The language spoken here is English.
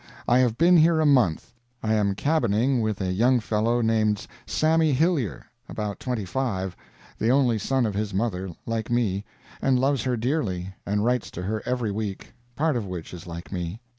I have been here a month. I am cabining with a young fellow named "Sammy" Hillyer, about twenty five, the only son of his mother like me and loves her dearly, and writes to her every week part of which is like me.